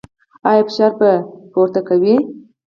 ایا فشار به چیک کوئ؟